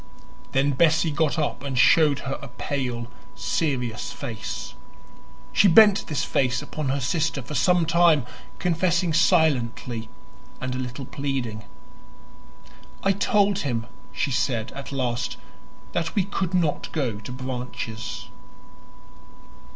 Then Bessie got up and showed her a pale, serious face. She bent this face upon her sister for some time, confessing silently and a little pleading. "I told him," she said at last, "that we could not go to Branches."